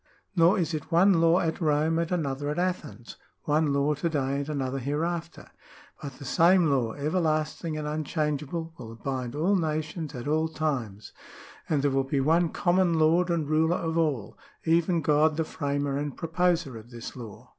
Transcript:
Nor is it one law at Rome and another at Athens, one law to day and another hereafter ; but the same law, everlasting and unchangeable, will bind all nations at all times; and there will be one common lord and ruler of all, even God the f ramer and proposer of this law."